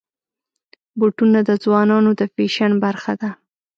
بوټونه د ځوانانو د فیشن برخه ده.